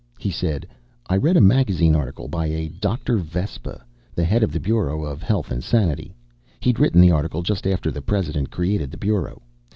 He said, "I read a magazine article by a Dr. Vespa, the head of the Bureau of Health and Sanity. He'd written the article just after the President created the Bureau.